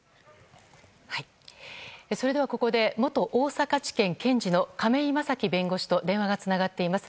それではここで元大阪地検検事の亀井正貴弁護士と電話がつながっています。